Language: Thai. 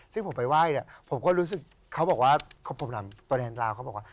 ซึ่งผมไปไหว้เนี่ยผมก็รู้สึกเขาบอกว่าผมตัวแดนราวเขาบอกว่า